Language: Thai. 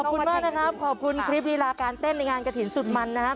ขอบคุณมากนะครับขอบคุณคลิปลีลาการเต้นในงานกระถิ่นสุดมันนะครับ